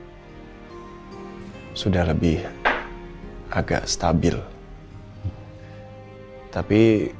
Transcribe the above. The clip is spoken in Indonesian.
beberapa kondisi saya sudah lebih agak stabil tapi beberapa kondisi saya sudah lebih agak stabil tapi beberapa